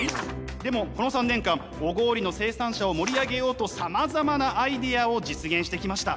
でもこの３年間小郡の生産者を盛り上げようとさまざまなアイデアを実現してきました。